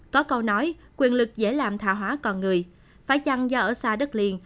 có câu nói quyền lực dễ làm thả hóa còn người phải chăng do ở xa đất liền